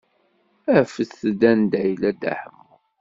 Afet-d anda yella Dda Ḥemmu.